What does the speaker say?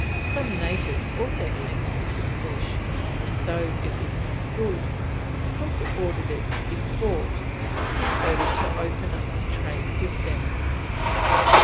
Some natives also came off with fish, and though it was not good, Cook ordered it to be bought, in order to open up trade with them.